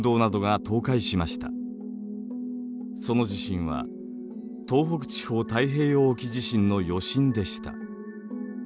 その地震は東北地方太平洋沖地震の余震でした。